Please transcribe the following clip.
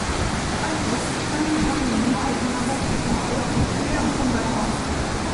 Aschod, prince d'Arménie, s'étant avancé contre eux, fut tué en combattant.